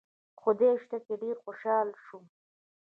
خدای شته چې ډېر خوشاله شوم.